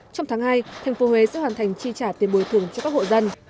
trong tháng hai thành phố huế sẽ hoàn thành chi trả tiền bồi thường cho các hộ dân